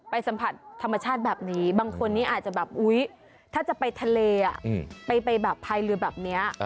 สัมผัสธรรมชาติแบบนี้บางคนนี้อาจจะแบบอุ๊ยถ้าจะไปทะเลไปแบบพายเรือแบบนี้